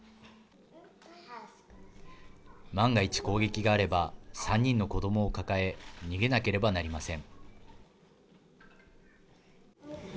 万が一、攻撃があれば３人の子どもを抱え逃げなければなりません。